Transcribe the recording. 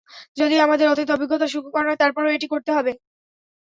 যদিও আমাদের অতীত অভিজ্ঞতা সুখকর নয়, তারপরও এটি করতে দিতে হবে।